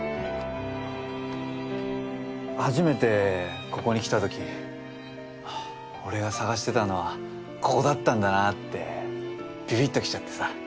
初めてここに来た時ああ俺が探してたのはここだったんだなってビビッときちゃってさ。